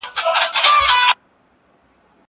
زه کولای سم مينه وښيم!